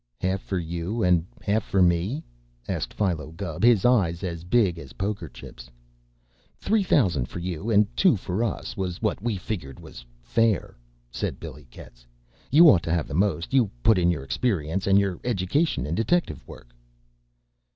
"Half for you and half for me?" asked Philo Gubb, his eyes as big as poker chips. "Three thousand for you and two for us, was what we figured was fair," said Billy Getz. "You ought to have the most. You put in your experience and your education in detective work."